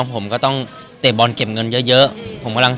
หมาที่บ้านก็น่ารัก